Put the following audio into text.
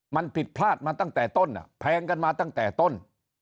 มันผิดพลาดมาตั้งแต่ต้นแพงกันมาตั้งแต่ต้น